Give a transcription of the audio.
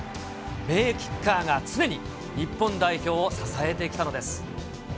名キッカーが常に日本代表を支えてきたのです。